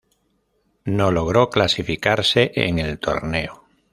No logró clasificarse en el torneo.